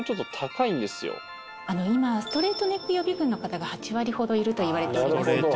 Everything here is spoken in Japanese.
今ストレートネック予備軍の方が８割ほどいるといわれておりますので。